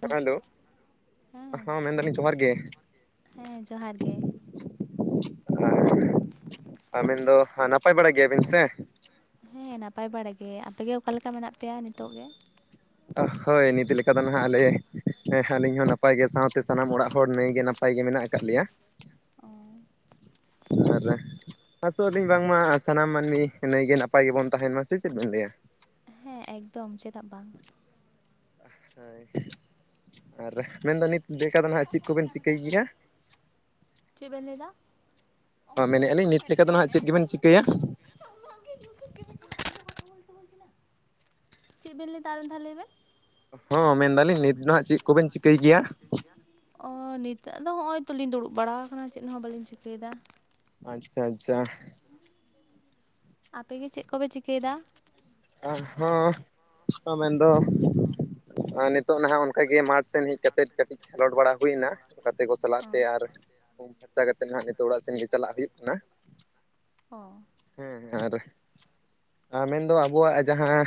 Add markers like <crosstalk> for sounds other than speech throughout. ᱠᱟᱴᱟᱱ ᱮᱱ ᱫᱳ ᱦᱮᱸ ᱦᱚᱸ ᱢᱮᱱᱫᱟᱞᱤᱧ ᱡᱚᱦᱟᱨ ᱜᱮ᱾ ᱦᱮᱸ ᱡᱚᱦᱟᱨ ᱜᱮ᱾ ᱟᱵᱤᱱ ᱫᱚ ᱱᱟᱯᱟᱭ ᱵᱟᱲᱟ ᱜᱮᱭᱟᱵᱤᱱ ᱥᱮ᱾ ᱦᱮᱸ ᱱᱟᱯᱟᱭ ᱵᱟᱲᱟ ᱜᱮ ᱟᱯᱮᱜᱮ ᱚᱠᱟᱮ ᱞᱮᱠᱟ ᱢᱮᱱᱟᱜ ᱯᱮᱭᱟ ᱱᱤᱛᱚᱜ ᱜᱮᱼᱼ ᱦᱳᱭ ᱱᱤᱛ ᱞᱮᱠᱟ ᱫᱚ ᱱᱟᱦᱜ ᱟᱞᱮ ᱦᱮ ᱟᱹᱞᱤᱧ ᱦᱚᱸ ᱱᱟᱯᱟᱭ ᱜᱮ ᱥᱟᱶᱛᱮ ᱥᱟᱱᱟᱢ ᱚᱲᱟᱜ ᱦᱚᱲ ᱱᱟᱹᱭᱜᱮ ᱱᱟᱯᱟᱭᱼᱼ ᱱᱟᱯᱟᱭ ᱜᱮ ᱢᱮᱱᱟᱜ ᱟᱠᱟᱫ ᱞᱮᱭᱟ᱾ ᱚ ᱟᱨ ᱟᱥᱚᱜ ᱟᱹᱞᱤᱧ ᱵᱟᱝᱢᱟ ᱥᱟᱱᱟᱢ ᱢᱟᱹᱱᱢᱤ ᱱᱟᱹᱭᱜᱮ ᱱᱟᱯᱟᱭ ᱜᱮᱵᱚᱱ ᱛᱟᱦᱮᱱ ᱢᱟ ᱥᱮ ᱪᱮᱫ ᱵᱮᱱ ᱞᱟᱹᱭᱟ? ᱦᱮᱸ ᱮᱠᱫᱚᱢ ᱪᱮᱫᱟᱜ ᱵᱟᱝ᱾ ᱦᱳᱭ ᱟᱨ ᱢᱮᱱᱫᱟ ᱱᱤᱛ ᱫᱮ ᱞᱮᱠᱟ ᱫᱚ ᱱᱟᱦᱟᱜ ᱪᱮᱫ ᱠᱚᱵᱮᱱ ᱪᱤᱠᱟᱹᱭ ᱜᱮᱭᱟ? ᱪᱮᱫ ᱵᱮᱱ ᱞᱟᱹᱭᱮᱫᱟ? ᱢᱮᱱᱮᱜᱼᱟ ᱞᱤᱧ ᱱᱤᱛ ᱞᱮᱠᱟ ᱫᱚ ᱱᱟᱦᱟᱸᱜ ᱪᱮᱫ ᱜᱮᱵᱮᱱ ᱪᱤᱠᱟᱹᱭᱟ? <unintelligible> ᱪᱮᱫ ᱵᱮᱱ ᱞᱟᱹᱭᱫᱟ ᱟᱨ ᱢᱤᱫᱟ ᱞᱟᱹᱭ ᱵᱮᱱ? ᱦᱚᱸ ᱢᱮᱱᱫᱟᱞᱤᱧ ᱱᱤᱛ ᱫᱚᱦᱟᱸᱜ ᱪᱮᱫ ᱠᱚᱵᱮᱱ ᱪᱤᱠᱟᱹᱭ ᱜᱮᱭᱟ? ᱚ ᱱᱤᱛᱚᱜ ᱫᱚ ᱚᱸᱜᱼᱚᱭ ᱛᱞᱤᱧ ᱫᱩᱲᱩᱵ ᱵᱟᱲᱟᱟᱣ ᱟᱠᱟᱱᱟ ᱪᱮᱫ ᱦᱚᱸ ᱵᱟᱹᱞᱤᱧ ᱪᱤᱠᱟᱹᱭᱫᱟ? ᱟᱪᱪᱷᱟ ᱟᱪᱪᱷᱟ᱾ ᱟᱯᱮᱜ ᱜᱮ ᱪᱮᱫ ᱠᱚᱯᱮ ᱪᱤᱠᱟᱹᱭᱫᱟ? ᱦᱚᱸ ᱢᱮᱱᱫᱚ ᱱᱤᱛᱚᱜ ᱱᱟᱦᱟᱜ ᱚᱱᱠᱟᱜᱮ ᱢᱟᱴᱷ? ᱥᱮᱱ ᱦᱮᱡ ᱠᱟᱛᱮᱫ ᱠᱟᱹᱴᱤᱡ ᱨᱚᱲ ᱵᱟᱲᱟ ᱦᱳᱭᱱᱟ ᱜᱟᱛᱮ ᱠᱚ ᱥᱟᱞᱟᱜ ᱚ ᱛᱮ ᱟᱨᱼᱼ ᱯᱷᱳᱱ ᱠᱷᱟᱴᱟ ᱠᱟᱛᱮᱫ ᱱᱟᱦᱟᱜ ᱱᱤᱛᱚᱜ ᱚᱲᱟᱜ ᱥᱮᱱ ᱜᱮ ᱪᱟᱞᱟᱜ ᱦᱩᱭᱩᱜ ᱠᱟᱱᱟ᱾ ᱚᱻ ᱦᱮᱸ ᱟᱨ ᱢᱮᱱᱫᱚ ᱟᱵᱚᱣᱟᱜ ᱡᱟᱦᱟᱸ᱾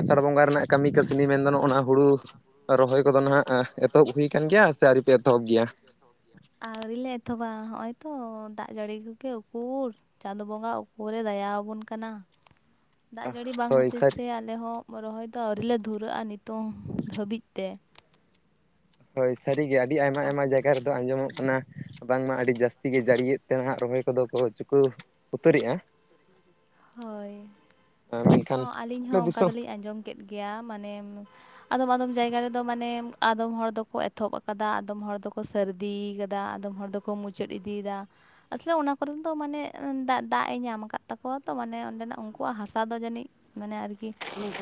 ᱟᱥᱟᱲ ᱵᱚᱸᱜᱟ ᱨᱮᱱᱟᱜ ᱠᱟᱹᱢᱤ ᱠᱟᱹᱥᱱᱤ ᱢᱮᱱᱫᱚ ᱱᱚᱜᱼᱱᱟ ᱦᱩᱲᱩᱼᱼ ᱨᱚᱦᱚᱭ ᱠᱚᱫᱚ ᱱᱟᱦᱟᱜ ᱮᱛᱚᱦᱚᱵ ᱦᱩᱭ ᱠᱟᱱ ᱜᱮᱭᱟ ᱥᱮ ᱟᱹᱣᱨᱤᱯᱮ ᱮᱛᱚᱦᱚᱵ ᱜᱮᱭᱟ? ᱟᱹᱣᱨᱤ ᱞᱮ ᱮᱛᱚᱦᱚᱵᱟ ᱚᱦᱚᱸᱜᱼᱚᱭ ᱛᱚ ᱫᱟᱜ ᱡᱟᱹᱲᱤ ᱠᱚᱜᱮ ᱩᱠᱩᱨ? ᱪᱟᱸᱫ ᱵᱚᱸᱜᱟ ᱩᱠᱚᱨᱮ ᱫᱟᱭᱟ ᱟᱵᱚᱱ ᱠᱟᱱᱟ᱾ ᱫᱟᱜ ᱡᱟᱹᱲᱤ ᱵᱟᱝ ᱦᱳᱭ ᱦᱚᱛᱮᱡ ᱥᱟᱹᱨᱤ ᱛᱮ ᱟᱞᱮ ᱦᱚᱸ ᱨᱚᱦᱚᱭ ᱫᱚ ᱟᱹᱣᱨᱤ ᱞᱮ ᱫᱷᱩᱨᱟᱹᱜᱼᱟ ᱱᱤᱛᱚᱝ ᱫᱷᱟᱹᱵᱤᱡ ᱛᱮ ᱦᱳᱭ ᱥᱟᱹᱨᱤᱜᱮ ᱟᱹᱰᱤ ᱟᱭᱢᱟ ᱟᱭᱢᱟ ᱡᱟᱭᱟ ᱨᱮᱫᱚ ᱟᱸᱡᱚᱢᱚᱜ ᱠᱟᱱᱟᱼᱼ ᱵᱟᱝᱢᱟ ᱟᱹᱰᱤ ᱡᱟᱹᱥᱛᱤ ᱜᱮ ᱡᱟᱹᱜᱤᱭᱮᱫ ᱛᱮ ᱱᱟᱦᱟᱸᱜ ᱨᱚᱦᱚᱭ ᱠᱚᱫᱚ ᱠᱚ ᱪᱩᱠᱟᱩᱣᱼᱼ ᱩᱛᱟᱹᱨᱮᱜᱼᱟ᱾ ᱦᱳᱭ ᱢᱮᱱᱠᱷᱟᱱ ᱦᱚᱸ ᱟᱹᱞᱤᱧ ᱟᱞᱮ ᱦᱚᱸ ᱚᱱᱠᱟ ᱫᱤᱥᱚᱢ ᱫᱚᱞᱤᱧ ᱟᱸᱡᱚᱢ ᱠᱮᱫ ᱜᱮᱭᱟ ᱢᱟᱱᱮ᱾ ᱟᱫᱚᱢ ᱟᱫᱚᱢ ᱡᱟᱭᱜᱟ ᱨᱮᱫᱚ ᱢᱟᱱᱮ ᱟᱫᱚᱢ ᱦᱚᱲ ᱫᱚᱠᱚ ᱮᱛᱚᱦᱚᱵ ᱠᱟᱫᱟ ᱟᱫᱚᱢ ᱦᱚᱲ ᱫᱚᱠᱚᱼᱼ ᱥᱟᱹᱨᱫᱤᱭ ᱠᱟᱫᱟ ᱟᱫᱚᱢ ᱦᱚᱲ ᱫᱚᱠᱚ ᱢᱩᱪᱟᱹᱫ ᱤᱫᱤᱫᱟ᱾ ᱟᱥᱚᱞᱮ ᱚᱱᱟ ᱠᱚᱨᱮ ᱫᱚ ᱢᱟᱱᱮ ᱫᱟᱜ ᱫᱟᱜ ᱮ ᱧᱟᱢ ᱠᱟᱫ ᱛᱟᱠᱼᱼ ᱠᱣᱭᱟ ᱛᱚ ᱢᱟᱱᱮ ᱚᱸᱰᱮᱱᱟᱜ ᱩᱱᱠᱩᱣᱟᱜ ᱦᱟᱥᱟ ᱫᱚ ᱡᱟᱹᱱᱤᱡ ᱢᱟᱱᱮ ᱟᱨᱠᱤ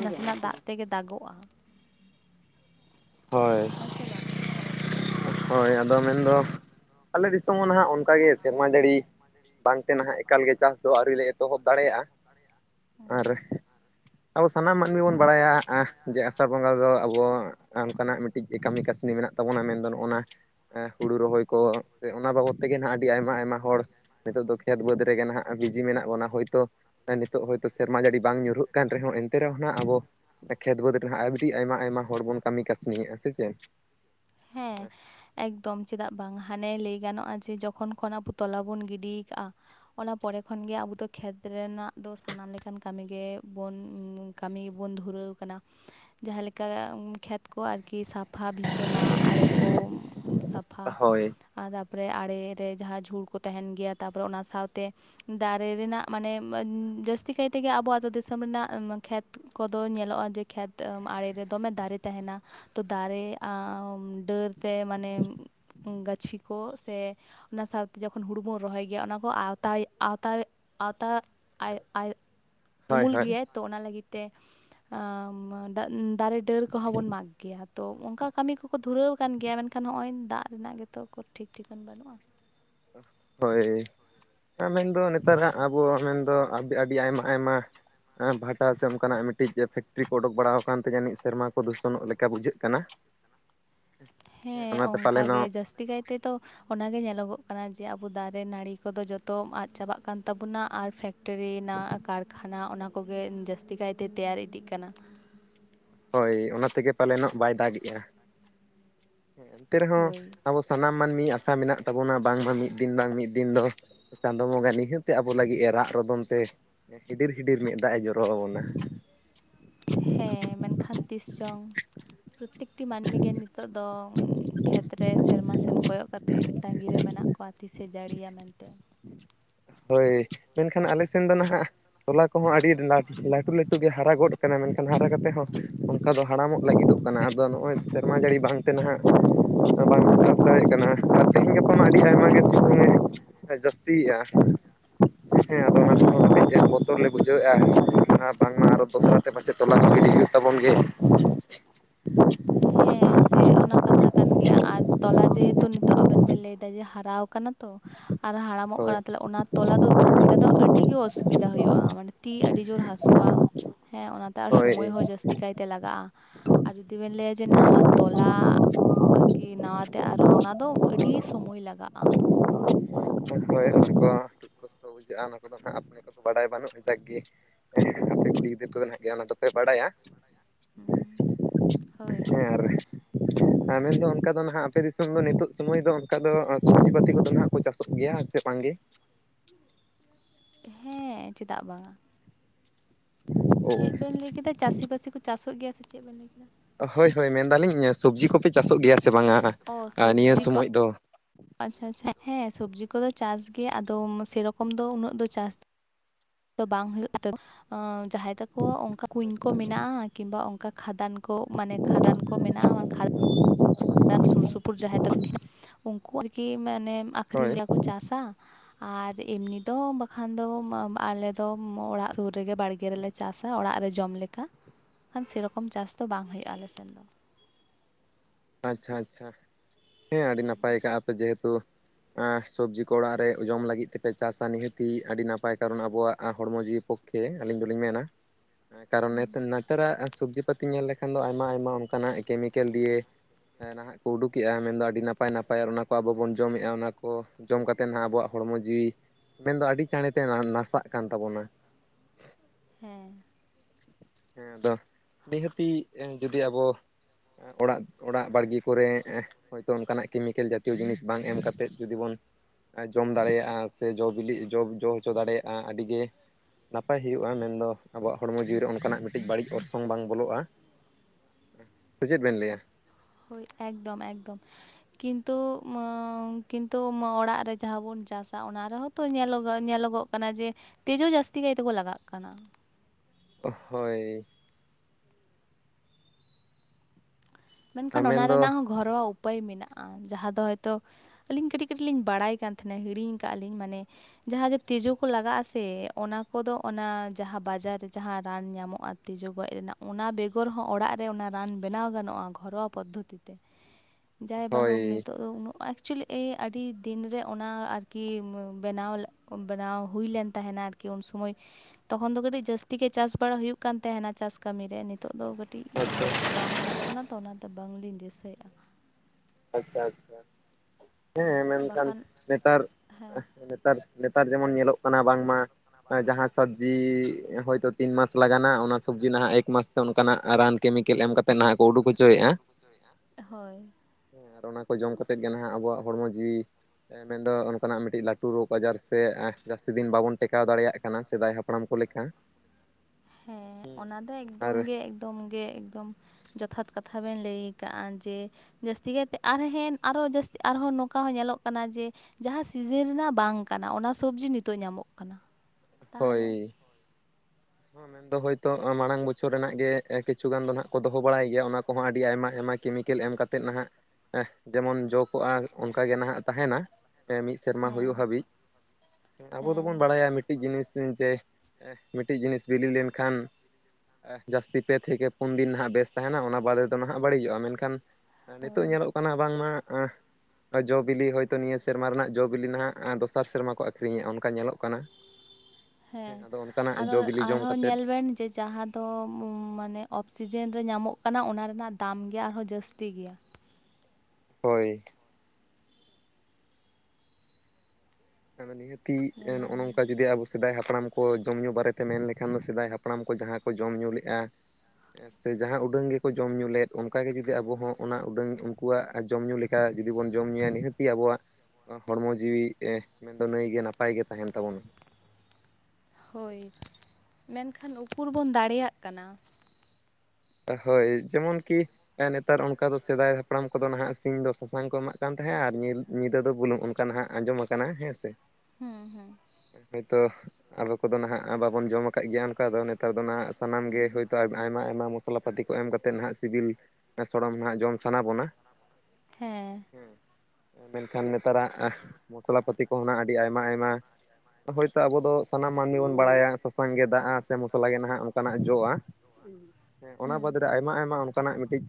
ᱱᱟᱥᱮᱱᱟᱜ ᱫᱟᱜ ᱛᱮᱜᱮ ᱫᱟᱜᱚᱜᱼᱟ᱾ ᱦᱳᱭ ᱦᱮᱸ ᱥᱮ ᱵᱟᱝ ᱦᱳᱭ ᱦᱳᱭ ᱟᱫᱚ ᱢᱮᱱᱫᱚ ᱟᱞᱮ ᱫᱤᱥᱚᱢ ᱦᱚᱸ ᱱᱟᱦᱟᱜ ᱚᱱᱠᱟᱜ ᱜᱮ ᱥᱮᱨᱢᱟ ᱡᱟᱹᱲᱤ᱾ ᱵᱟᱝᱼᱛᱮ ᱱᱟᱦᱟᱜ ᱮᱠᱟᱞᱜᱮ ᱪᱟᱥ ᱫᱚ ᱟᱹᱣᱨᱤ ᱞᱮ ᱮᱛᱚᱦᱚᱵ ᱫᱟᱲᱮᱭᱟᱜᱼᱟ ᱟᱨᱼᱼ ᱦᱮᱸ ᱟᱵᱚ ᱥᱟᱱᱟᱢ ᱢᱟᱹᱱᱢᱤ ᱵᱚᱱ ᱵᱟᱲᱟᱭᱟ ᱡᱮ ᱟᱥᱟᱲ ᱵᱚᱸᱜᱟᱫᱚ ᱟᱵᱚᱼᱼ ᱟᱨ ᱚᱱᱠᱟᱱᱟᱜ ᱢᱤᱫᱴᱤᱡ ᱠᱟᱹᱢᱤ ᱠᱟᱹᱥᱱᱤ ᱢᱮᱱᱟᱜ ᱛᱟᱵᱚᱱᱟ ᱢᱮᱱᱫᱚ ᱱᱚᱜᱼᱚᱱᱟ᱾ ᱦᱩᱲᱩ ᱨᱚᱦᱚᱭ ᱠᱚ ᱥᱮ ᱚᱱᱟ ᱵᱟᱵᱚᱫ ᱛᱮᱜᱮ ᱦᱟᱜ ᱟᱹᱰᱤ ᱟᱭᱢᱟ ᱟᱭᱢᱟ ᱦᱚᱲ ᱱᱤᱛᱚᱜ ᱫᱚ ᱠᱷᱮᱛ ᱵᱟᱹᱫᱽ ᱨᱮᱜᱮ ᱱᱟᱦᱟᱜ ᱵᱤᱡᱤ ᱢᱮᱱᱟᱜ ᱵᱚᱱᱟ ᱦᱳᱭ ᱛᱚᱼᱼ ᱱᱤᱛᱚᱜ ᱦᱳᱭᱛᱳ ᱥᱮᱨᱢᱟ ᱡᱟᱹᱲᱤ ᱵᱟᱝ ᱧᱩᱨᱦᱩᱜ ᱠᱟᱱ ᱨᱮᱦᱚᱸ ᱮᱱᱛᱮ ᱨᱮᱦᱚᱸᱱᱟᱜ ᱟᱵᱚ, ᱠᱷᱮᱛ ᱵᱟᱹᱫᱽ ᱨᱮᱦᱟᱜ ᱟᱹᱰᱤ ᱟᱭᱢᱟ ᱟᱭᱢᱟ ᱦᱚᱲ ᱵᱚᱱ ᱠᱟᱹᱢᱤ ᱠᱟᱹᱥᱱᱤᱭᱮᱼᱟ ᱥᱮ ᱪᱮ? ᱦᱮᱸ ᱮᱠᱫᱚᱢ ᱪᱮᱫᱟᱜ ᱵᱟᱝ ᱦᱟᱱᱮ ᱞᱟᱹᱭ ᱜᱟᱱᱚᱜᱼᱟ ᱡᱮ ᱡᱚᱠᱷᱚᱱ ᱠᱷᱚᱱ ᱟᱵᱚ ᱛᱚᱞᱟ ᱵᱚᱱ ᱜᱤᱰᱤ ᱠᱟᱜᱼᱟ᱾ ᱚᱱᱟ ᱯᱚᱨᱮ ᱠᱷᱚᱱ ᱜᱮ, ᱟᱵᱩ ᱫᱚ ᱠᱷᱮᱛ ᱨᱮᱱᱟᱜ ᱫᱚ ᱥᱟᱱᱟᱢ ᱞᱮᱠᱟᱱ ᱠᱟᱹᱢᱤ ᱜᱮ ᱵᱚᱱ ᱠᱟᱹᱢᱤ ᱵᱚᱱ ᱫᱷᱩᱨᱟᱹᱣ ᱠᱟᱱᱟ, ᱡᱟᱦᱟᱸ ᱞᱮᱠᱟ ᱩᱸ ᱠᱷᱮᱛ ᱠᱚ ᱟᱨᱠᱤ ᱥᱟᱯ- -ᱯᱷᱟ ᱵᱷᱤᱛᱟᱹᱢᱟ ᱟᱲᱮ ᱠᱚᱢ ᱥᱟᱯᱷᱟ, ᱦᱳᱭ ᱟ ᱫᱟᱯᱚᱨᱮ ᱟᱲᱮ ᱨᱮ ᱡᱟᱦᱟ ᱡᱷᱩᱲ ᱠᱚ ᱛᱟᱦᱮᱱ ᱜᱮᱭᱟ, ᱛᱟᱯᱚᱨᱮ ᱚᱱᱟ ᱥᱟᱶᱛᱮ ᱫᱟᱨᱮ ᱨᱮᱱᱟᱜ ᱢᱟᱱᱮ ᱢᱟᱹᱱ ᱡᱟᱹᱥᱛᱤ ᱠᱟᱭ ᱛᱮᱜᱮ ᱟᱵᱚ ᱟᱫᱚ ᱫᱤᱥᱚᱢ ᱱᱟᱜ ᱠᱷᱮᱛ ᱠᱚᱫᱚ ᱧᱮᱞᱚᱜᱼᱟ, ᱡᱮ ᱠᱷᱮᱛ ᱩᱸ ᱟᱲᱮ ᱨᱮ ᱫᱚᱢᱮ ᱫᱟᱨᱮ ᱛᱟᱦᱮᱱᱟ, ᱛᱚ ᱫᱟᱨᱮ ᱟᱸ ᱩᱸ ᱰᱟᱹᱨ ᱛᱮ ᱢᱟᱱᱮ ᱩᱸ ᱜᱟᱹᱪᱷᱤ ᱠᱚ ᱥᱮ ᱚᱱᱟ ᱥᱟᱶᱛᱮ ᱡᱚᱠᱷᱚᱱ ᱦᱩᱲᱩ ᱵᱚᱱ ᱨᱚᱦᱚᱭ ᱜᱮᱭᱟ, ᱚᱱᱟ ᱠᱚ ᱟᱣᱛᱟᱭ, ᱟᱣᱛᱟᱭ, ᱟᱣᱛᱟ, ᱟᱭ-ᱟᱭ ᱦᱳᱭ ᱩᱢᱩᱞ ᱦᱳᱭ ᱜᱮᱭᱟᱭ ᱛᱚ ᱚᱱᱟ ᱞᱟᱹᱜᱤᱜ ᱛᱮ ᱟᱸ ᱢᱟ ᱫᱟᱜ ᱫᱟᱨᱮ ᱰᱟᱹᱨ ᱠᱚᱦᱚᱸ ᱵᱚᱱ ᱢᱟᱜᱽ ᱜᱮᱭᱟ ᱦᱟ᱾ ᱛᱚ ᱚᱝᱠᱟ ᱠᱟᱹᱢᱤ ᱠᱚᱠᱚ ᱫᱷᱩᱨᱟᱹᱣ ᱠᱟᱱ ᱜᱮᱭᱟ ᱢᱮᱱᱠᱷᱟᱱ ᱱᱚᱜᱼᱚᱸᱭ ᱫᱟᱜ ᱨᱮᱱᱟᱜ ᱜᱮᱛᱚ ᱠᱚ ᱴᱷᱤᱠ-ᱴᱷᱤᱠᱟᱹᱱ ᱵᱟᱹᱱᱩᱜᱼᱟ᱾ ᱛᱟᱦ ᱦᱳᱭ᱾ ᱟ ᱢᱮᱱᱫᱚ ᱱᱮᱛᱟᱨᱟᱜ, ᱟᱵᱚᱶᱟᱜ ᱢᱮᱱᱫᱚ ᱟᱹᱰᱤ-ᱟᱹᱰᱤ, ᱟᱭᱢᱟ-ᱟᱭᱢᱟ ᱟᱸ ᱵᱷᱟᱴᱟ ᱥᱮ ᱚᱱᱠᱟᱱᱟᱜ ᱢᱤᱜᱴᱤᱡ 'ᱯᱷᱮᱠᱴᱤ' ᱠᱚ ᱚᱰᱩᱠ ᱵᱟᱲᱟ ᱣᱟᱠᱟᱱ ᱛᱮ ᱡᱟᱹᱱᱤᱡ ᱥᱮᱨᱢᱟ ᱠᱚ ᱫᱩᱥᱚᱱᱚᱜ ᱞᱮᱠᱟ ᱵᱩᱡᱷᱟᱹᱜ ᱠᱟᱱᱟ᱾ <inaudible> ᱦᱮᱸ, ᱚᱱᱟᱛᱮ ᱚᱝᱠᱟ ᱜᱮ ᱯᱟᱞᱮᱱᱚᱜ ᱡᱟᱹᱥᱛᱤ ᱠᱟᱭ ᱛᱮ ᱫᱚ ᱚᱱᱟᱜᱮ ᱧᱮᱞᱚᱜᱚᱜ ᱠᱟᱱᱟ ᱡᱮ ᱟᱵᱚ ᱫᱟᱨᱮ, ᱱᱟᱹᱲᱤ ᱠᱚᱫᱚ ᱡᱚᱛᱚᱢ ᱟᱫ ᱪᱟᱵᱟᱜ ᱠᱟᱱ ᱛᱟᱵᱚᱱᱟ ᱟᱨ 'ᱯᱷᱮᱠ- -ᱴᱨᱤ' ᱱᱟᱜ 'ᱠᱟᱨᱠᱷᱟᱱᱟ', ᱚᱱᱟ ᱠᱚᱜᱮ ᱮᱱ ᱡᱟᱹᱥᱛᱤ ᱠᱟᱭ ᱛᱮ ᱛᱮᱭᱟᱨ ᱤᱫᱤᱜ ᱠᱟᱱᱟ᱾ ᱦᱳᱭ, ᱚᱱᱟ ᱛᱮᱜᱮ ᱯᱟᱞᱮᱱᱚᱜ ᱵᱟᱭ ᱫᱟᱜᱮᱜᱼᱟ᱾ ᱦᱮᱸ, ᱮᱱᱛᱮ ᱨᱮᱦᱚᱸ ᱦᱳᱭ ᱟᱵᱚ ᱥᱟᱱᱟᱢ ᱢᱟᱱᱢᱤ ᱟᱥᱟ ᱢᱮᱱᱟᱜ ᱛᱟᱵᱚᱱᱟ ᱵᱟᱝᱢᱟ ᱢᱤᱫ ᱫᱤᱱ ᱵᱟᱝ ᱢᱤᱫ ᱫᱤᱱ ᱫᱚ 'ᱪᱟᱸᱫᱚ ᱵᱚᱸᱜᱟ' ᱱᱤᱦᱟᱹᱛᱮ ᱟᱵᱚ ᱞᱟᱹᱜᱤᱜᱼᱮ ᱨᱟᱜ ᱨᱫᱚᱱ ᱛᱮ ᱮᱸ ᱦᱤᱰᱤᱨ-ᱦᱤᱰᱤᱨ ᱢᱮᱜ ᱫᱟᱜᱼᱮ ᱡᱚᱨᱚ ᱣᱚᱵᱚᱱᱟ᱾ ᱦᱮᱸ, ᱢᱮᱱᱠᱷᱟᱱ ᱛᱤᱥ ᱪᱚᱝ ᱯᱨᱚᱛᱛᱮᱠᱴᱤ ᱢᱟᱹᱱᱢᱤ ᱜᱮ ᱱᱤᱛ ᱛᱳᱜ ᱫᱚ ᱚᱝ ᱠᱷᱮᱛ ᱨᱮ ᱥᱮᱨᱢᱟ ᱥᱮᱱ ᱠᱚᱭᱚᱜ ᱠᱟᱛᱮᱜ ᱛᱟᱸᱜᱤᱨᱮ ᱢᱮᱱᱟᱜ ᱠᱚᱣᱟ ᱛᱤᱥᱮ ᱡᱟᱲᱤᱭᱟ ᱢᱮᱱ ᱛᱮ? ᱦᱳᱭ, ᱢᱮᱱᱠᱷᱟᱱ ᱟᱞᱮ ᱥᱮᱱ ᱫᱚ ᱱᱟᱦᱟᱜ ᱛᱚᱞᱟ ᱠᱚᱦᱚ ᱟᱹᱰᱤᱴ ᱞᱟᱠ-ᱞᱟᱠ ᱞᱟᱹᱴᱩ-ᱞᱟᱹᱴᱩ ᱜᱮ ᱦᱟᱨᱟ ᱜᱚᱫ ᱠᱟᱱᱟ ᱢᱮᱱᱠᱷᱟᱱ ᱦᱟᱨᱟ ᱠᱟᱛᱮ ᱦᱚᱸ ᱚᱝᱠᱟ ᱫᱚ ᱦᱟᱲᱟᱢᱚᱜ ᱞᱟᱹᱜᱤᱫᱚᱜ ᱠᱟᱱᱟ, ᱟᱫᱚ ᱱᱚᱜᱼᱚᱭ ᱥᱮᱨᱢᱟ ᱡᱟᱹᱲᱤ ᱵᱟᱝᱛᱮ ᱱᱟᱦᱟᱜ ᱵᱟᱝ ᱪᱟᱥ ᱫᱟᱲᱮᱜ ᱠᱟᱱᱟᱦ ᱟᱨ ᱛᱷᱮᱧ ᱜᱟᱯᱟ ᱢᱟ ᱟᱰᱤ ᱟᱭᱢᱟ ᱜᱮ ᱥᱤᱛᱩᱝᱮᱜ ᱟ ᱡᱟᱹᱥᱛᱤᱭᱟ᱾ ᱦᱮᱸᱻ, ᱟᱫᱚ ᱚᱱᱟ ᱦᱮᱸ ᱛᱮᱦᱚᱸ ᱠᱟᱹᱴᱤᱡ ᱮ ᱵᱚᱛᱚᱨ ᱞᱮ ᱵᱩᱡᱷᱟᱹᱣᱮᱫᱼᱟ ᱟᱨ ᱵᱟᱝᱢᱟ ᱟᱨᱚᱛ ᱫᱚᱥᱟᱨ ᱛᱮ ᱯᱟᱥᱮᱫ ᱛᱚᱞᱟ ᱠᱚ ᱜᱤᱵᱤ ᱜᱮ ᱦᱩᱭᱩᱜ ᱛᱟᱵᱚᱱ ᱜᱮ! ᱦᱮᱸᱻ, ᱥᱮ ᱚᱱᱟ ᱠᱟᱛᱷᱟ ᱠᱟᱱ ᱜᱮᱭᱟ ᱟᱨ ᱛᱚᱞᱟ ᱡᱮᱦᱮᱹᱛᱩ ᱱᱤᱛᱚᱜ ᱟᱵᱮᱱ ᱵᱮᱱ ᱞᱟᱹᱭ ᱫᱟ ᱡᱮ ᱦᱟᱨᱟᱣ ᱠᱟᱱᱟ᱾ ᱛᱚ᱾ ᱟᱨ ᱦᱟᱲᱟᱢᱚᱜ ᱦᱳᱭ ᱠᱟᱱᱟ ᱛᱟᱞᱮ ᱚᱱᱟ ᱛᱚᱞᱟ ᱫᱚ ᱛᱳᱜ ᱛᱮᱫᱚ ᱟᱹᱰᱤ ᱜᱮ ᱚᱥᱵᱤᱫᱟ ᱦᱩᱭᱩᱜᱼᱟ, ᱢᱟᱱᱮ ᱛᱤ ᱟᱹᱰᱤ ᱡᱳᱨ ᱦᱟᱥᱳᱣᱟ᱾ ᱦᱮᱸ, ᱚᱱᱟᱛᱮ ᱟᱨ ᱦᱳᱭ ᱥᱚᱢᱚᱭ ᱦᱚᱸ ᱡᱟᱹᱥᱛᱤ ᱠᱟᱭᱛᱮ ᱞᱟᱜᱟᱜᱼᱟᱸ ᱟᱨ ᱡᱩᱫᱤ ᱵᱮᱱ ᱞᱟᱹᱭᱟ ᱡᱮ ᱱᱟᱣᱟ ᱛᱚᱞᱟ ᱟᱨᱠᱤ ᱱᱟᱣᱟ ᱛᱮ ᱟᱨᱚ ᱚᱱᱟ ᱫᱚ ᱟᱹᱰᱤ ᱥᱚᱢᱚᱭ ᱞᱟᱜᱟᱜᱼᱟ᱾ <inaudible> ᱠᱚᱥᱴᱚ ᱵᱩᱡᱷᱟᱹᱜᱼᱟ, ᱚᱱᱟ ᱠᱚᱫᱚ ᱱᱟᱜ ᱟᱯᱱᱮ ᱠᱚᱫᱚ ᱵᱟᱰᱟᱭ ᱵᱟᱹᱱᱩᱜᱼᱟ ᱡᱟᱠ ᱜᱮ᱾ ᱮᱸ ᱦᱮᱸ-ᱦᱮᱸ, ᱟᱯᱮ ᱠᱩᱲᱤ ᱜᱤᱫᱟᱹᱨ ᱫᱚ ᱱᱷᱟᱜ ᱜᱮ ᱚᱱᱟ ᱫᱚᱯᱮ ᱵᱟᱲᱟᱭᱟ᱾ ᱦᱩᱸ ᱦᱳᱭ ᱦᱮᱸᱨ, ᱟ ᱢᱮᱱᱫᱚ ᱚᱱᱠᱟ ᱫᱚ ᱱᱟᱦᱟᱜ ᱟᱯᱮ ᱫᱤᱥᱚᱢ ᱫᱚ ᱱᱤᱛᱚᱜ ᱥᱚᱢᱚᱭ ᱫᱚ ᱚᱱᱠᱟ ᱫᱚ ᱚᱸ ᱥᱚᱵᱽᱡᱤ ᱵᱟᱹᱛᱤ ᱠᱚᱫᱚ ᱱᱟᱦᱟᱸᱜ ᱠᱚ ᱪᱟᱥᱚᱜ ᱜᱮᱭᱟ ᱟᱨ ᱥᱮ ᱵᱟᱝ ᱜᱮ? ᱦᱮᱸᱻ, ᱪᱮᱫᱟᱜ ᱵᱟᱝᱟ! ᱚ ᱪᱮᱜ ᱵᱮᱱ ᱞᱟᱹᱭ ᱠᱮᱫᱟ ᱪᱟᱹᱥᱤ-ᱵᱟᱹᱥᱤ ᱠᱚ, ᱪᱟᱥᱚᱜ ᱜᱮᱭᱟ ᱥᱮ ᱪᱮᱜ ᱵᱮᱱ ᱞᱟᱹᱭ ᱠᱮᱫᱟ? ᱦᱳᱭ-ᱦᱳᱭ, ᱢᱮᱱᱫᱟᱞᱤᱧ ᱧᱮ ᱥᱚᱵᱽᱡᱤ ᱠᱚᱯᱮ ᱪᱟᱥᱚᱜ ᱜᱮᱭᱟ ᱥᱮ ᱵᱟᱝᱟ ᱟ ᱱᱤᱭᱟᱹ ᱥᱚᱢᱚᱡ ᱫᱚ? ᱟᱪᱪᱷᱟ-ᱪᱷᱟ, ᱦᱮᱸ, ᱥᱚᱵᱽᱡᱤ ᱠᱚᱫᱚ ᱪᱟᱥ ᱜᱮ ᱟᱫᱚ ᱩᱸ ᱥᱮᱨᱚᱠᱚᱢ ᱫᱚ ᱩᱱᱟᱹᱜ ᱫᱚ ᱪᱟᱥ ᱫᱚ ᱵᱟᱝ ᱦᱩᱭᱩᱜ <inaudible> ᱚᱸ ᱡᱟᱦᱟᱸᱭ ᱛᱟᱠᱚ ᱚᱝᱠᱟ ᱠᱩᱧ ᱠᱚ ᱢᱮᱱᱟᱜᱼᱟ ᱠᱤᱢᱵᱟ ᱚᱝᱠᱟ ᱠᱷᱟᱫᱟᱱ᱾ ᱠᱚᱜ ᱢᱟᱱᱮ ᱠᱷᱟᱫᱟᱱ ᱠᱚ ᱢᱮᱱᱟᱜᱼᱟᱶᱟ᱾ ᱟᱱ ᱥᱩᱨ ᱥᱩᱯᱩᱨ ᱡᱟᱦᱮᱨ ᱛ ᱠ <inaudible> ᱩᱱᱠᱩᱣᱟᱜ ᱠᱤ ᱢᱟᱱᱮ ᱟᱠᱷᱨᱤᱧ ᱦᱳᱭ ᱨᱮᱭᱟᱜ ᱠᱚ ᱪᱟᱥᱟ? ᱟᱨ ᱮᱢᱱᱤ ᱫᱚ ᱵᱟᱠᱷᱟᱱ ᱫᱚ ᱟᱞᱮᱫᱚᱢ ᱚᱲᱟᱜᱼᱼ ᱥᱩᱨ ᱨᱮᱜᱮ ᱵᱟᱲᱜᱮ ᱨᱮᱞᱮ ᱪᱟᱥᱟ ᱚᱲᱟᱜ ᱨᱮ ᱡᱚᱢ ᱞᱮᱠᱟ᱾ ᱠᱷᱟᱱ ᱥᱮᱨᱚᱠᱚᱢ ᱪᱟᱥ ᱫᱚ ᱵᱟᱝ ᱦᱳᱭᱳᱼᱟ ᱟᱞᱮᱥᱱ ᱫᱚ᱾ ᱟᱪᱪᱷᱟ ᱟᱪᱪᱷᱟ ᱦᱮᱸ ᱟᱹᱰᱤ ᱱᱟᱯᱟᱭ ᱠᱟᱜᱼᱟ ᱯᱮ ᱡᱮᱦᱮᱛᱩ, ᱥᱚᱵᱽᱡᱤ ᱠᱚ ᱚᱲᱟᱜ ᱨᱮ ᱡᱚᱢ ᱞᱟᱹᱜᱤᱫ ᱟ ᱥᱚᱵᱽᱡᱤ ᱠᱚ ᱚᱲᱟᱜ ᱨᱮ ᱡᱚᱢ ᱛᱮᱯᱮ ᱪᱟᱥᱟ ᱱᱤᱦᱟᱹᱛᱤ ᱟᱹᱰᱤ ᱱᱟᱯᱟᱭ ᱠᱟᱨᱚᱱ ᱟᱵᱚᱣᱟᱜ ᱦᱚᱲᱢᱚ ᱡᱤᱣᱤ ᱯᱚᱠᱠᱷᱮ᱾ ᱟᱹᱞᱤᱧ ᱫᱚᱞᱤᱧ ᱢᱮᱱᱟ᱾ ᱠᱟᱨᱚᱱ ᱱᱮᱛᱟᱨᱟᱜ ᱥᱚᱵᱡᱤ ᱯᱟᱛᱤ ᱧᱮᱞ ᱞᱮᱠᱷᱟᱱ ᱫᱚ ᱟᱭᱢᱟ ᱟᱭᱢᱟ ᱚᱱᱠᱟᱱᱟᱜ ᱠᱮᱢᱤᱠᱮᱞ ᱫᱤᱭᱮᱼᱼ ᱱᱟᱦᱟᱜ ᱠᱚ ᱩᱰᱩᱠᱮᱫᱼᱟ ᱢᱮᱱᱫᱚ ᱟᱹᱰᱤ ᱱᱟᱯᱟᱭ ᱱᱟᱯᱟᱭ ᱟᱨ ᱚᱱᱟ ᱠᱚ ᱟᱵᱚ ᱵᱚᱱ ᱡᱚᱢᱮᱜᱼᱟ ᱚᱱᱟ ᱠᱚᱼᱼ ᱡᱚᱢ ᱠᱟᱛᱮᱫ ᱱᱟᱦᱟᱜ ᱟᱵᱚᱣᱟᱜ ᱦᱚᱲᱢᱚ ᱡᱤᱣᱤ ᱢᱮᱱᱫᱚ ᱟᱹᱰᱤ ᱪᱟᱬᱮᱛᱮ ᱱᱟᱥᱟᱜ ᱠᱟᱱ ᱛᱟᱵᱚᱱᱟ᱾ ᱦᱮᱸ᱾ ᱦᱮᱸ ᱟᱫᱚ ᱱᱤᱦᱟᱹᱛᱤ ᱡᱩᱫᱤ ᱟᱵᱚᱼᱼ ᱚᱲᱟᱜ ᱚᱲᱟᱜ ᱵᱟᱲᱜᱮ ᱠᱚᱨᱮᱼᱼ ᱦᱳᱭᱛᱳ ᱚᱱᱠᱟᱱᱟᱜ ᱠᱮᱢᱤᱠᱮᱞ ᱡᱟᱛᱤᱭᱚ ᱡᱤᱱᱤᱥ ᱵᱟᱝ ᱮᱢ ᱠᱟᱛᱮ ᱡᱩᱫᱤ ᱵᱚᱱᱼᱼ ᱡᱚᱢ ᱫᱟᱲᱮᱭᱟᱜᱼᱟ ᱥᱮ ᱡᱚᱼ ᱵᱤᱞᱤ ᱡᱚ ᱡᱚ ᱦᱚᱪᱚ ᱫᱟᱲᱮᱭᱟᱜᱼᱟ ᱟᱹᱰᱤᱜᱮᱼᱼ ᱱᱟᱯᱟᱭ ᱦᱩᱭᱩᱜᱼᱟ ᱢᱮᱱᱫᱚ ᱟᱵᱚᱣᱟᱜ ᱦᱚᱲᱢᱚ ᱡᱤᱣᱤ ᱨᱮ ᱚᱱᱠᱟᱼᱼ ᱚᱱᱠᱟᱱᱟᱜ ᱢᱤᱫᱴᱤᱡ ᱵᱟᱹᱲᱤᱡ ᱚᱨᱥᱚᱝ ᱵᱟᱝ ᱵᱚᱞᱚᱜᱼᱟ ᱥᱮ ᱪᱮᱫ ᱵᱮᱱ ᱞᱟᱹᱭᱟ᱾ ᱦᱳᱭ ᱮᱠᱫᱚᱢ ᱮᱠᱫᱚᱢ ᱠᱤᱱᱛᱩ ᱠᱤᱱᱛᱩ ᱢᱟ ᱠᱤᱱᱛᱩ ᱢᱟ ᱚᱲᱟᱜ ᱨᱮ ᱡᱟᱦᱟᱸ ᱵᱚᱱ ᱪᱟᱥᱟ ᱚᱱᱟ ᱨᱮᱦᱚᱸᱼᱼ ᱛᱳ ᱧᱮᱞᱚᱜᱟ ᱧᱮᱞᱚᱜᱚᱜ ᱠᱟᱱᱟ ᱡᱮ ᱛᱮᱡᱳ ᱡᱟᱹᱥᱛᱤ ᱠᱟᱭ ᱛᱮᱠᱚ ᱞᱟᱜᱟᱜ ᱠᱟᱱᱟ᱾ ᱦᱳᱭ᱾ ᱢᱮᱱᱠᱷᱟᱱ ᱟᱨ ᱚᱱᱟ ᱢᱮᱱᱫᱚ ᱨᱮᱱᱟᱜ ᱦᱚᱸ ᱜᱚᱨᱳᱣᱟ ᱩᱯᱟᱹᱭ ᱢᱮᱱᱟᱜᱼᱟ ᱡᱟᱦᱟᱸ ᱫᱚ ᱦᱚᱭᱛᱳᱼᱼ ᱟᱹᱞᱤᱧ ᱠᱟᱹᱴᱤᱡ ᱠᱟᱹᱴᱤᱡ ᱞᱤᱧ ᱵᱟᱲᱟᱭ ᱠᱟᱱ ᱛᱟᱦᱮᱱᱟ ᱦᱤᱲᱤᱧ ᱠᱟᱜ ᱞᱤᱧ ᱢᱟᱱᱮᱼᱼ ᱡᱟᱦᱟᱸ ᱫᱚ ᱛᱮᱡᱳ ᱠᱚ ᱞᱟᱜᱟᱜᱼᱟ ᱥᱮ ᱚᱱᱟ ᱠᱚᱫᱚ ᱚᱱᱟ ᱡᱟᱦᱟᱸ ᱵᱟᱡᱟᱨ ᱨᱮ ᱡᱟᱦᱟᱸ ᱨᱟᱱ ᱧᱟᱢᱚᱜᱼᱟ᱾ ᱛᱮᱡᱳ ᱜᱚᱡ ᱨᱮᱱᱟᱜ ᱚᱱᱟ ᱵᱮᱜᱚᱨ ᱦᱚᱸ ᱚᱲᱟᱜ ᱨᱮ ᱚᱱᱟ ᱨᱟᱱ ᱵᱮᱱᱟᱣ ᱜᱟᱱᱚᱼᱟ᱾ ᱜᱚᱨᱚᱣᱟ ᱯᱚᱫᱽᱫᱷᱚᱛᱤ ᱛᱮ ᱡᱟᱭ ᱵᱟ ᱦᱳᱠ ᱦᱳᱭ ᱱᱤᱛᱚᱜ ᱫᱚ ᱩᱱᱟᱹᱜ ᱼᱼ ᱮᱠᱪᱩᱭᱮᱞᱤ ᱮᱭ ᱟᱹᱰᱤ ᱫᱤᱱ ᱨᱮ ᱚᱱᱟ ᱟᱨᱠᱤ ᱵᱮᱱᱟᱣ ᱵᱮᱱᱟᱣ ᱦᱩᱭᱞᱱ ᱛᱟᱦᱮᱱᱟ ᱟᱨᱠᱤᱼᱼ ᱠᱤ ᱩᱱ ᱥᱩᱢᱚᱭ ᱛᱚᱠᱷᱚᱱ ᱫᱚ ᱠᱟᱹᱴᱤᱡ ᱡᱟᱹᱥᱛᱤ ᱜᱮ ᱪᱟᱥ ᱵᱟᱲᱟ ᱦᱩᱭᱩᱜ ᱠᱟᱱ ᱛᱟᱦᱮᱱᱟ ᱪᱟᱥ ᱠᱟᱹᱢᱤᱤᱨ ᱨᱮᱼᱼ ᱱᱤᱛᱚᱜ ᱫᱚ ᱠᱟᱹᱴᱤᱡ ᱟᱪᱪᱷᱟ ᱩᱱᱟᱹᱜ ᱫᱚ ᱵᱟᱝ ᱦᱳᱭᱳᱜ ᱠᱟᱱᱟ ᱛᱚ ᱚᱱᱟᱛᱮ ᱵᱟᱝᱞᱤᱧ ᱫᱤᱥᱟᱹᱭᱮᱫᱼᱟ᱾ ᱟᱪᱪᱷᱟ ᱟᱪᱪᱷᱟ ᱦᱮᱸ ᱢᱮᱱᱠᱷᱟᱱ ᱵᱟᱠᱷᱟᱱ ᱱᱮᱛᱟᱨᱼᱼ ᱦᱮᱸ ᱱᱮᱛᱟᱨ ᱱᱮᱛᱟᱨ ᱡᱮᱢᱚᱱ ᱧᱮᱞᱚᱜ ᱠᱟᱱᱟ ᱵᱟᱝᱢᱟ ᱡᱟᱦᱟᱸ ᱥᱚᱵᱽᱡᱤ ᱦᱚᱭᱛᱚ ᱛᱤᱱ ᱢᱟᱥ ᱞᱟᱜᱟᱱᱟ᱾ ᱚᱱᱟ ᱥᱚᱵᱡᱤ ᱱᱟᱦᱟᱜ ᱮᱹᱠ ᱢᱟᱥ ᱛᱮ ᱚᱱᱠᱟᱱᱟᱜ ᱨᱟᱱ ᱠᱮᱢᱤᱠᱮᱞ ᱮᱢ ᱠᱟᱛᱮᱫ ᱱᱟᱦᱟᱜ ᱠᱚ ᱩᱰᱩᱠ ᱦᱚᱪᱚᱭᱮᱫᱼᱟ᱾ ᱦᱳᱭ᱾ ᱦᱮᱸ ᱟᱨ ᱚᱱᱟ ᱠᱚ ᱡᱚᱢ ᱠᱟ ᱠᱟᱛᱮᱫ ᱜᱮ ᱱᱟᱦᱟᱜ ᱟᱵᱚᱣᱟᱜ ᱦᱚᱲᱢᱚ ᱡᱤᱣᱤ ᱢᱮᱱᱫᱚ ᱚᱱᱠᱟᱱᱟᱜ ᱢᱤᱫᱴᱤᱡ ᱞᱟᱹᱴᱩ ᱨᱳᱜᱽ ᱟᱡᱟᱨ ᱥᱮᱼᱼ ᱥᱮ ᱡᱟᱹᱥᱛᱤ ᱫᱤᱱ ᱵᱟᱵᱚᱱ ᱴᱮᱠᱟᱣ ᱫᱟᱲᱮᱭᱟᱜ ᱠᱟᱱᱟ ᱥᱮᱫᱟᱭ ᱦᱟᱯᱲᱟᱢ ᱠᱚ ᱞᱮᱠᱟ᱾ ᱦᱮᱸ ᱚᱱᱟ ᱫᱚ ᱮᱠᱫᱚᱢ ᱟᱨ ᱜᱮᱼᱼ ᱮᱠᱫᱚᱢ ᱜᱮ ᱮᱠᱫᱚᱢ ᱡᱚᱛᱷᱟᱛ ᱠᱟᱛᱷᱟ ᱵᱮᱱ ᱞᱟᱹᱭ ᱠᱟᱜᱼᱟ ᱡᱮᱼᱼ ᱡᱟᱹᱥᱛᱤ ᱠᱟᱭᱛᱮ ᱟᱨᱦᱮ ᱟᱨᱦᱚᱸ ᱡᱟᱹᱥᱛᱤ ᱟᱨᱦᱚᱸ ᱱᱚᱝᱠᱟ ᱦᱚᱸ ᱧᱮᱞᱚᱜ ᱠᱟᱱᱟ ᱡᱮᱼᱼ ᱡᱟᱦᱟᱸ ᱥᱤᱡᱮᱱ ᱨᱮᱱᱟᱜ ᱵᱟᱝ ᱠᱟᱱᱟ ᱚᱱᱟ ᱥᱚᱵᱽᱡᱤ ᱱᱤᱛᱚᱜ ᱧᱟᱢᱚᱜ ᱠᱟᱱᱟ᱾ ᱛᱟᱦᱚᱞᱮ ᱦᱳᱭ᱾ ᱦᱮ ᱢᱮᱱᱫᱚ ᱦᱳᱭᱛᱳ ᱢᱟᱲᱟᱝ ᱵᱚᱪᱷᱚᱨ ᱨᱮᱱᱟᱜ ᱜᱮ ᱠᱤᱪᱷᱩ ᱜᱟᱱ ᱫᱚ ᱱᱟᱜ ᱠᱚ ᱫᱚᱦᱚ ᱵᱟᱲᱟᱭ ᱜᱮᱭᱟ ᱚᱱᱟᱼᱼ ᱠᱚᱦᱚᱸ ᱟᱹᱰᱤ ᱟᱭᱢᱟ ᱟᱭᱢᱟ ᱠᱮᱢᱤᱠᱮᱞ ᱮᱢ ᱠᱟᱛᱮᱫ ᱱᱟᱦᱟᱜᱼᱼ ᱡᱮᱢᱚᱱ ᱡᱚ ᱠᱚᱣᱼᱟ ᱚᱱᱠᱟ ᱜᱮ ᱱᱟᱦᱟᱜ ᱛᱟᱦᱮᱱᱟ ᱮᱢᱤᱼᱼ ᱥᱮᱨᱢᱟ ᱦᱩᱭᱩᱜ ᱦᱮᱸ ᱦᱟᱹᱵᱤᱡ ᱟᱵᱚ ᱦᱮᱸ ᱫᱚᱵᱚᱱ ᱵᱟᱲᱟᱭᱟ ᱢᱤᱫᱴᱤᱡ ᱡᱤᱱᱤᱥ ᱡᱮᱼᱼ ᱢᱤᱫᱴᱤᱡ ᱡᱤᱱᱤᱥ ᱵᱤᱞᱤ ᱞᱮᱱᱠᱷᱟᱱᱼᱼ ᱮᱸ, ᱡᱟᱹᱥᱛᱤ ᱯᱮ ᱛᱷᱮᱠᱮ ᱯᱩᱱ ᱫᱤᱱ ᱱᱟᱦᱟᱜ ᱵᱮᱥ ᱛᱟᱸᱦᱮᱱᱟ ᱚᱱᱟ ᱵᱟᱫᱽ ᱫᱚ ᱱᱟᱦᱜ ᱵᱟᱹᱲᱤᱡᱚᱜ-ᱟ ᱢᱮᱱᱠᱷᱟᱱ ᱦᱮᱸ, ᱱᱤᱛᱳᱜ ᱦᱳᱭ ᱧᱮᱞᱚᱜ ᱠᱟᱱᱟ ᱵᱟᱝᱢᱟ ᱮᱸ ᱡᱚ ᱵᱤᱞᱤ ᱦᱳᱭᱛᱳ ᱱᱤᱭᱟᱹ ᱥᱮᱨᱢᱟ ᱨᱮᱱᱟᱜ ᱡᱚ ᱵᱤᱞᱤ ᱱᱟᱦᱟᱜ ᱫᱚᱥᱟᱨ ᱥᱮᱨᱢᱟ ᱠᱚ ᱟᱹᱠᱷᱨᱤᱧᱮᱜ-ᱟ ᱚᱱᱠᱟ ᱧᱮᱞᱚᱜ ᱠᱟᱱᱟ ᱦᱮᱸ, ᱟᱫᱚ ᱚᱱᱠᱟᱱᱟᱜ ᱟᱫᱚ ᱡᱚ ᱵᱤᱞᱤ ᱡᱚᱢ ᱟᱨᱦᱚᱸ ᱠᱟᱛᱮᱫ ᱧᱮᱞ ᱵᱮᱱ ᱵᱮᱱ ᱡᱮ ᱡᱟᱦᱟᱸ ᱫᱚ ᱢᱟᱱᱮ ᱚᱯᱷᱥᱤᱡᱮᱱ ᱨᱮ ᱧᱟᱢᱚᱜ ᱠᱟᱱᱟ ᱚᱱᱟ ᱨᱮᱱᱟᱜ ᱫᱟᱢ ᱜᱮ ᱟᱨᱦᱚᱸ ᱡᱟᱹᱥᱛᱤ ᱜᱮᱭᱟ᱾ ᱦᱳᱭ᱾ ᱱᱤᱦᱟᱹᱛᱤ ᱮ ᱱᱚᱜ-ᱚ ᱚᱱᱟᱜᱮ ᱱᱚᱝᱠᱟ ᱡᱩᱫᱤ ᱟᱵᱚ ᱥᱮ ᱥᱮᱫᱟᱭ ᱦᱟᱯᱲᱟᱢ ᱠᱚ ᱡᱚᱢ-ᱧᱩ ᱵᱟᱨᱮᱛᱮ ᱢᱮᱱ ᱞᱮᱠᱷᱟᱱ ᱫᱚ ᱥᱮᱫᱟᱭ ᱦᱟᱯᱲᱟᱢ ᱠᱚ ᱡᱟᱦᱟᱸ ᱠᱚ ᱡᱚᱢ-ᱧᱩ ᱞᱮᱜ-ᱟ᱾ ᱥᱮ ᱡᱟᱦᱟᱸ ᱩᱰᱟᱹᱝ ᱜᱮᱠᱚ ᱡᱚᱢ-ᱧᱩ ᱞᱮᱫ ᱚᱱᱠᱟᱜ ᱜᱮ ᱡᱩᱫᱤ ᱟᱵᱚ ᱦᱚᱸ ᱚᱱᱟ ᱩᱰᱟᱹᱝ ᱩᱱᱠᱩᱣᱟᱜ ᱡᱚᱢ-ᱧᱩ ᱞᱮ ᱞᱮᱠᱟ ᱡᱩᱫᱤ ᱵᱚᱱ ᱡᱚᱢ ᱧᱩᱭᱟ ᱱᱤᱦᱟᱹᱛ ᱜᱮ ᱟᱵᱚᱣᱟᱜ ᱦᱚᱲᱢᱚ ᱡᱤᱣᱤ ᱮ ᱢᱮᱱᱫᱚ ᱱᱟᱹᱭ ᱜᱮ ᱱᱟᱯᱟᱭ ᱜᱮ ᱛᱟᱸᱦᱮᱱ ᱛᱟᱵᱚᱱᱟ᱾ ᱦᱳᱭ, ᱢᱮᱱᱠᱷᱟᱱ ᱩᱠᱩᱨ ᱵᱚᱱ ᱫᱟᱲᱮᱭᱟᱜ ᱠᱟᱱᱟ? ᱦᱳᱭ, ᱡᱮᱢᱚᱱ ᱠᱤ ᱱᱮᱛᱟᱨ ᱚᱱᱠᱟ ᱫᱚ ᱥᱮᱫᱟᱭ ᱦᱟᱯᱲᱟᱢ ᱠᱚ ᱫᱚ ᱱᱟᱦᱟᱜ ᱥᱤᱧ ᱫᱚ ᱥᱟᱥᱟᱝ ᱠᱚ ᱮᱢᱟᱜ ᱠᱟᱱ ᱛᱟᱦᱮᱸᱜ-ᱟ, ᱟᱨ ᱧᱤᱨ ᱧᱤᱫᱟᱹ ᱫᱚ ᱵᱩᱞᱩᱝ ᱚᱱᱠᱟ ᱱᱟᱦᱟᱜ ᱟᱸᱡᱚᱢ ᱠᱟᱱᱟ ᱦᱮᱸ ᱥᱮ᱾ ᱦᱩᱸ ᱦᱩᱸ᱾ ᱦᱳᱭᱛᱳ ᱟᱵᱚ ᱠᱚᱫᱚ ᱱᱟᱦᱟᱜ ᱵᱟᱵᱚᱱ ᱡᱚᱢ ᱠᱟᱜ ᱜᱮᱭᱟ ᱚᱱᱠᱟ ᱫᱚ ᱱᱮᱛᱟᱨ ᱫᱚ ᱱᱟᱦᱟᱜ ᱥᱟᱱᱟᱢ ᱦᱩᱸ ᱜᱮ ᱦᱳᱭᱛᱳ ᱟᱭᱢᱟ ᱟᱭᱢᱟ ᱟᱭᱢᱟ ᱢᱚᱥ ᱢᱚᱥᱞᱟᱯᱟᱹᱛᱤ ᱠᱚ ᱮᱢ ᱠᱟᱛᱮᱮᱫ ᱱᱟᱦᱟᱜ ᱥᱤᱵᱤᱞ ᱥᱚᱲᱚᱢ ᱱᱟᱦᱟᱜ ᱡᱚᱢ ᱥᱟᱱᱟ ᱵᱚᱱᱟ᱾ ᱦᱮᱸ᱾ ᱦᱮᱸ, ᱢᱮᱱᱠᱷᱟᱱ ᱱᱮᱛᱟᱨᱟᱜ ᱢᱚᱥᱞᱟ ᱯᱟᱹᱛᱤ ᱠᱚᱦᱚᱸ ᱱᱟᱜ ᱟᱹᱰᱤ ᱟᱭᱢᱟ ᱟᱭᱢᱟ ᱦᱳᱭᱛᱳ ᱟᱵᱚ ᱫᱚ ᱥᱟᱱᱟᱢ ᱢᱟᱹᱱᱢᱤ ᱵᱚᱱ ᱵᱟᱲᱟᱭᱟ ᱥᱟᱥᱟᱝ ᱜᱮ ᱫᱟᱜ-ᱟ ᱥᱮ ᱢᱚᱥᱞᱟ ᱜᱮ ᱱᱟᱦᱟᱜ ᱚᱱᱠᱟᱱᱟᱜ ᱡᱚᱜ-ᱟ᱾ ᱦᱮᱸ ᱚᱱᱟ ᱦᱩᱸ ᱵᱟᱫᱽ ᱨᱮ ᱟᱭᱢᱟ ᱟᱭᱢᱟ ᱚᱱ ᱚᱱᱠᱟᱱᱟᱜ ᱢᱤᱫᱴᱤᱡ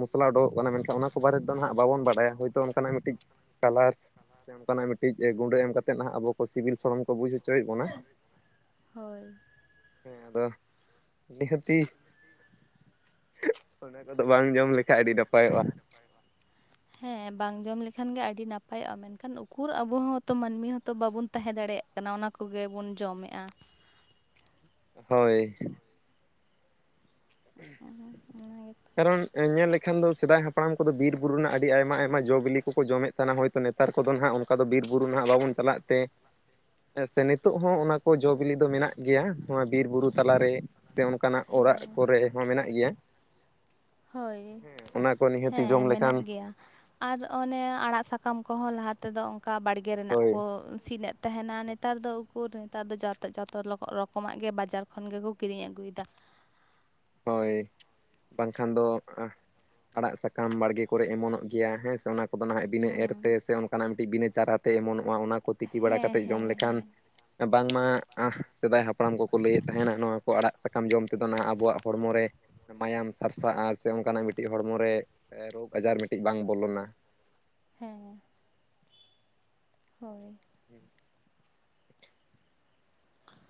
ᱢᱚᱥᱞᱟ ᱩᱰᱩᱠᱚᱜ ᱠᱟᱱᱟ ᱢᱮᱱᱠᱷᱟᱱ ᱚᱱᱟ ᱠᱚ ᱵᱟᱨᱮᱫᱚ ᱦᱟᱸᱜ ᱵᱟᱵᱚᱱ ᱵᱟᱭᱟ ᱦᱳᱭᱛᱳ ᱚᱱᱠᱟᱱᱟᱜ ᱢᱤᱫᱴᱤᱡ ᱠᱟᱞᱟᱨᱥ ᱥᱮ ᱚᱱᱠᱟᱱᱟᱜ ᱢᱤᱫᱴᱤᱡ ᱜᱩᱸᱰᱟᱹ ᱮᱢ ᱠᱟᱛᱮᱫ ᱱᱟᱜ ᱟᱵᱚ ᱥᱤᱵᱤᱞ ᱥᱚᱲᱚᱢ ᱠᱚ ᱵᱩᱡᱽ ᱦᱚᱪᱚᱭᱮᱫ ᱵᱚᱱᱟ᱾ ᱦᱳᱭ᱾ ᱦᱮᱸ ᱟᱫᱚ ᱫᱤᱦᱟᱹᱛᱤ᱾ ᱚᱱᱟ ᱠᱚᱫᱚ ᱵᱟᱝ ᱡᱚᱢ ᱞᱮᱠᱷᱟᱡ ᱟᱹᱰᱤ ᱱᱟᱯᱟᱭᱚᱜ-ᱟ᱾ ᱦᱮᱸ ᱵᱟᱝ ᱡᱚᱢ ᱞᱮᱠᱷᱟᱱ ᱜᱮ ᱟᱹᱰᱤ ᱱᱟᱯᱟᱭᱚᱜ-ᱟ ᱢᱮᱱᱠᱷᱟᱱ ᱩᱠᱩᱨ ᱟᱵᱚ ᱦᱚᱸᱛᱚ ᱢᱟᱹᱱᱢᱤ ᱦᱚᱸᱛᱚ ᱵᱟᱵᱚᱱ ᱛᱟᱦᱮᱸ ᱫᱟᱲᱮᱭᱟᱜ ᱠᱟᱱᱟ ᱚᱱᱟ ᱠᱚᱜᱮ ᱵᱚᱱ ᱡᱚᱢᱮᱜ-ᱟ᱾ ᱦᱳᱭ᱾ ᱚᱱᱟ ᱜᱮᱛᱚ ᱠᱟᱨᱚᱱ ᱧᱮᱞ ᱞᱮᱠᱷᱟᱱ ᱫᱚ ᱥᱮᱫᱟᱭ ᱦᱟᱯᱲᱟᱢ ᱠᱚᱫᱚ ᱵᱤᱨ ᱵᱩᱨᱩ ᱨᱮᱱᱟᱜ ᱟᱹᱰᱤ ᱟᱭᱢᱟ ᱟᱭᱢᱟ ᱡᱚᱼ ᱵᱤᱞᱤ ᱠᱚᱠᱚ ᱡᱚᱢᱮᱫ ᱠᱟᱱᱟ ᱦᱳᱭᱛᱚ ᱱᱮᱛᱟᱨ ᱠᱚᱫᱚ ᱱᱟᱦᱟᱜ ᱚᱱᱠᱟ ᱫᱚ ᱵᱤᱨᱵᱩᱨᱩ ᱱᱟᱦᱟᱜ ᱵᱟᱵᱚᱱ ᱪᱟᱞᱟᱜ ᱛᱮ᱾ ᱦᱮᱸ ᱥᱮ ᱱᱤᱛᱚᱜ ᱦᱚᱸ ᱚᱱᱟ ᱠᱚ ᱡᱚ-ᱵᱤᱞᱤ ᱫᱚ ᱢᱮᱱᱟᱜ ᱜᱮᱭᱟ ᱱᱚᱣᱟ ᱵᱤᱨ ᱵᱩᱨᱩ ᱛᱟᱞᱟᱨᱮ᱾ ᱥᱮ ᱚᱱᱠᱟᱱᱟᱜ ᱚᱲᱟᱜ ᱦᱮᱸ ᱠᱚᱨᱮ ᱦᱚᱸ ᱢᱮᱱᱟᱜ ᱜᱮᱭᱟ᱾ ᱦᱳᱭ, ᱚᱱᱟ ᱠᱚ ᱱᱤᱦᱟᱹᱛᱤ ᱦᱮᱸ ᱡᱚᱢ ᱢᱮᱱᱟᱜ ᱞᱮᱠᱷᱟᱱ ᱜᱮᱭᱟ᱾ ᱟᱨ ᱚᱱᱮ ᱟᱲᱟᱜ ᱥᱟᱠᱟᱢ ᱠᱚᱦᱚᱸ ᱞᱟᱦᱟ ᱛᱮᱫᱚ ᱚᱝᱠᱟ ᱵᱟᱲᱜᱮ ᱨᱮᱱᱟᱜ ᱦᱳᱭ ᱠᱚ ᱥᱤᱱᱮᱫ ᱛᱟᱸᱦᱮᱱᱟ᱾ ᱱᱮᱛ ᱱᱮᱛᱟᱨ ᱫᱚ ᱩᱠᱩᱨ, ᱱᱮᱛᱟᱨ ᱫᱚ ᱡᱚᱛᱚ ᱡᱚᱛᱚ ᱨᱚᱠᱚ ᱨᱚᱠᱚᱢᱟᱜ ᱜᱮ ᱵᱟᱡᱟᱨ ᱠᱷᱚᱱ ᱜᱮᱠᱚ ᱠᱤᱨᱤᱧ ᱟᱹᱜᱩᱭᱮᱫᱟ᱾ ᱦᱳᱭ᱾ ᱵᱟᱝᱠᱷᱟᱱ ᱫᱚ ᱟᱲᱟᱜ ᱥᱟᱠᱟᱢ ᱵᱟᱲᱜᱮ ᱠᱚᱨᱮ ᱮᱢᱚᱱᱚᱜ ᱜᱮᱭᱟ ᱦᱮᱸ ᱥᱮ ᱚᱱᱟ ᱠᱚ᱾ ᱫᱚ ᱱᱟᱦᱟᱜ ᱵᱤᱱᱟᱹ ᱮᱨᱛᱮ ᱦᱩᱸ ᱥᱮ ᱚᱱᱠᱟᱱᱟᱜ ᱢᱤᱫᱴᱤᱡ ᱵᱤᱱᱟᱹ ᱪᱟᱨᱟᱛᱮ ᱮᱢᱚᱱᱚᱜ-ᱟ ᱚᱱᱟ ᱠᱚ᱾ ᱛᱤᱠᱤ ᱵᱟᱲᱟ ᱦᱮᱸ ᱠᱟᱛᱮᱜ ᱡᱚᱢ ᱦᱮᱸ ᱞᱮᱠᱷᱟᱱ᱾ ᱦᱮᱸ ᱵᱟᱝᱢᱟ ᱥᱮᱫᱟᱭ ᱦᱟᱯᱲᱟᱢ ᱠᱚᱠᱚ ᱞᱟᱹᱭᱮᱫ ᱛᱟᱦᱮᱱᱟ ᱱᱚᱣᱟ ᱠᱚ ᱟᱲᱟᱜ ᱥᱟᱠᱟᱢ ᱡᱚᱢᱛᱮᱫᱚ ᱱᱟᱦᱟᱜ ᱟᱵᱚᱣᱟᱜ ᱦᱚᱲᱢᱚ ᱢᱟᱭᱟᱢ ᱥᱟᱨᱥᱟᱜ-ᱟ ᱥᱮ ᱚᱱᱠᱟᱱᱟᱜ ᱢᱤᱫᱴᱤᱡ ᱦᱚᱲᱢᱚ ᱨᱮ ᱨᱳᱜᱽ ᱟᱡᱟᱨ ᱢᱤᱫᱴᱤᱡ ᱵᱟᱝ ᱵᱚᱞᱚᱱᱟ᱾ ᱦᱮᱸ᱾ ᱦᱳᱭ <unintelligible>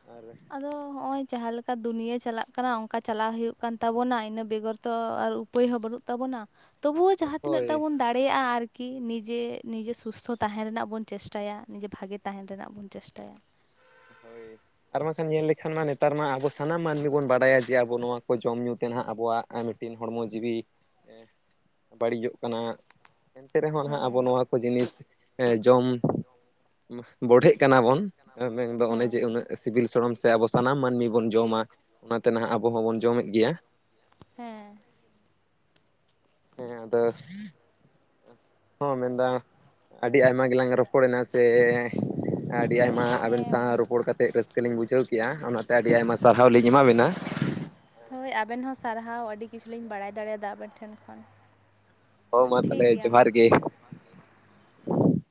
ᱟᱨᱮ ᱟᱫᱚ ᱦᱚᱜ ᱚᱭ ᱡᱟᱦᱟᱸ ᱞᱮᱠᱟ ᱫᱩᱱᱭᱟᱹ ᱪᱟᱞᱟᱜ ᱠᱟᱱᱟ ᱚᱱᱠᱟ ᱪᱟᱞᱞᱟᱣ ᱦᱩᱭᱩᱜ ᱠᱟᱱ ᱛᱟᱵᱚᱱᱟ ᱤᱱᱟᱹ ᱵᱮᱜᱚᱨ ᱛᱚ ᱟᱨ ᱩ ᱩᱯᱟᱹᱭ ᱦᱚᱸ ᱵᱟᱹᱱᱩᱜ ᱛᱟᱵᱚᱱᱟ ᱛᱚᱵᱩᱣ ᱡᱟᱦᱟᱸ ᱛᱤᱱᱟᱹᱜ ᱦᱳᱭ ᱴᱟ ᱵᱚᱱ ᱫᱟᱲᱮᱭᱟᱜ-ᱟ ᱟᱨᱠᱤ ᱱᱤᱡᱮ ᱱᱤᱡᱮ ᱥᱩᱥᱛᱷᱚ ᱛᱟᱦᱮᱱ ᱨᱮᱱᱟᱜ ᱵᱚᱱ ᱪᱮᱥᱴᱟᱭᱟ ᱱᱤᱡᱮ ᱵᱷᱟᱜᱮ ᱛᱟᱦᱮᱱ ᱨᱮᱱᱟᱜ ᱵᱚᱱ ᱪᱮᱥᱴᱟᱭᱟ᱾ ᱦᱳᱭ ᱟᱨ ᱵᱟᱝᱠᱷᱟᱱ ᱧᱮᱞ ᱞᱮᱠᱷᱟᱱ ᱢᱟ ᱱᱮᱛᱟᱨ ᱢᱟ ᱟᱵᱚ ᱥᱟᱱᱟᱢ ᱢᱟᱹᱱᱢᱤ ᱵᱚᱱ ᱵᱟᱰᱟᱭᱟ ᱡᱮ ᱟᱵᱚ ᱱᱚᱣᱟ ᱠᱚ ᱡᱚᱢ ᱧᱩ ᱛᱮᱱᱦᱟᱜ ᱟᱵᱚᱣᱟᱜ ᱟᱨ ᱢᱤᱜᱴᱤᱱ ᱦᱚᱲᱢᱚ ᱡᱤᱣᱤ ᱵᱟᱹᱲᱤᱡᱚᱜ ᱠᱟᱱᱟ, ᱮᱱᱛᱮ ᱨᱮᱦᱚᱸ ᱱᱦᱟᱜ ᱟᱵᱚ ᱦᱮᱸ ᱱᱚᱣᱟ ᱠᱚ ᱡᱤᱱᱤᱥ ᱡᱚᱢ ᱵᱚᱰᱦᱮᱜ ᱠᱟᱱᱟ ᱵᱚᱱ ᱢᱮᱱᱫᱚ ᱚᱱᱮ ᱡᱮ ᱦᱮᱸ ᱩᱱᱟᱹᱜ ᱥᱤᱵᱤᱞ ᱥᱚᱲᱚᱢ ᱥᱮ ᱟᱵᱚ ᱥᱟᱱᱟᱢ ᱢᱟᱹᱱᱢᱤ ᱵᱚᱱ ᱡᱚᱢᱟ ᱚᱱᱟᱛᱮ ᱱᱟᱦᱟᱜ ᱟᱵᱚ ᱦᱚᱸᱵᱚᱱ ᱡᱚᱢᱮᱫ ᱜᱮᱭᱟ᱾ ᱦᱮᱸ ᱦᱮᱸ ᱟᱫᱚ ᱦᱚᱸ ᱢᱮᱱᱫᱟ ᱟᱹᱰᱤ ᱟᱭᱢᱟ ᱜᱮᱞᱟᱝ ᱨᱚᱯᱚᱲᱮᱱᱟ ᱥᱮ ᱟᱹᱰᱤ ᱟᱭᱢᱟ ᱟᱵᱮᱱ ᱦᱮᱸ ᱥᱟᱶ ᱢᱟ ᱨᱚᱯᱚᱲ ᱠᱟᱛᱮ ᱨᱟᱹᱥᱠᱟᱹ ᱞᱤᱧ ᱵᱩᱡᱷᱟᱹᱣ ᱠᱮᱜ-ᱟ, ᱚᱱᱟᱛᱮ ᱟᱹᱰᱤ ᱟᱭᱢᱟ ᱥᱟᱨᱦᱟᱣ ᱞᱤᱧ ᱮᱢᱟᱵᱤᱱᱟ᱾ ᱦᱳᱭ ᱟᱵᱮᱱ ᱦᱚᱸ ᱥᱟᱨᱦᱟᱣ ᱟᱹᱰᱤ ᱠᱤᱪᱷᱩᱞᱤᱧ ᱵᱟᱲᱟᱭ ᱫᱟᱲᱮᱣᱟᱫᱟ ᱟᱵᱮᱱ ᱴᱷᱮᱱ ᱠᱷᱚᱱ᱾ ᱦᱳ ᱢᱟ ᱴᱷᱤᱠ ᱛᱟᱞᱮ ᱜᱮᱭᱟ ᱢᱟ ᱡᱚᱦᱟᱨ ᱜᱮ᱾